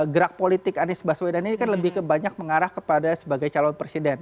gerak politik anies baswedan ini kan lebih ke banyak mengarah kepada sebagai calon presiden